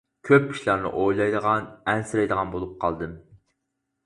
كۆپ ئىشلارنى ئويلايدىغان ئەنسىرەيدىغان بولۇپ قالدىم.